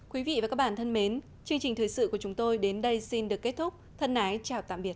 quý vị và các bạn thân mến chương trình thời sự của chúng tôi đến đây xin được kết thúc thân ái chào tạm biệt